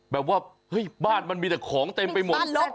แบบว่าเฮ้ยบ้านมันมีแต่ของเต็มไปหมด